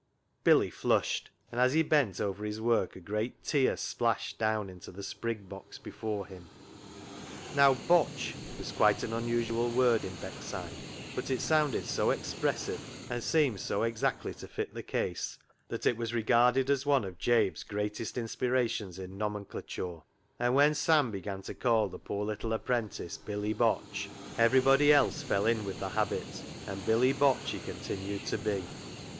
Billy flushed, and as he bent over his work a great tear splashed down into the sprig box before him. Now, " botch " was quite an unusual word in Beckside, but it sounded so expressive, and seemed so exactly to fit the case, that it was regarded as one of Jabe's greatest inspirations in nomenclature, and when Sam began to call the poor little apprentice Billy Botch, everybody else fell in with the habit, and Billy Botch he continued to be.